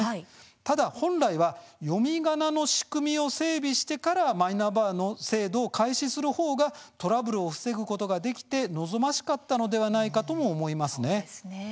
ただ本来は読みがなの仕組みを整備してからマイナンバーカードの制度を開始する方がトラブルを防ぐことができて望ましかったのではないかと思います。